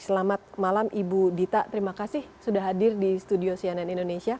selamat malam ibu dita terima kasih sudah hadir di studio cnn indonesia